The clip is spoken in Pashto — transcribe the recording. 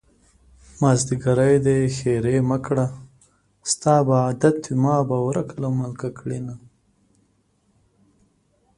مازديګری دی ښېرې مکړه ستا به عادت وي ما به ورک له ملکه کړينه